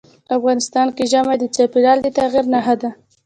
افغانستان کې ژمی د چاپېریال د تغیر نښه ده.